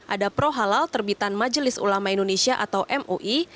ada prohalal terbitan majelis ulama indonesia atau mui